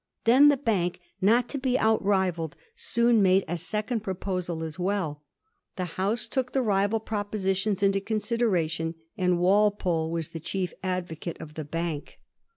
Then the Bank, not to be out rivalled, soon made a second proposal as well. The House took the rival propositions into consideration* Walpole was the chief advocate of the Bank.